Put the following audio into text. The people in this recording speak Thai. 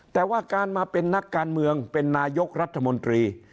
แต่ว่าการมาเป็นนักการเมืองเป็นนายกรัฐมนตรี